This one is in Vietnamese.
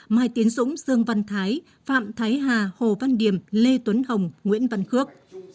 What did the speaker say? mai tiến dũng dương văn thái phạm thái hà hồ văn điểm lê tuấn hồng nguyễn văn khước